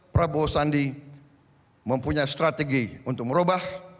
prabowo sandi mempunyai strategi untuk merubah